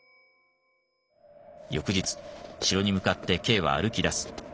翌日城に向かってＫは歩きだす。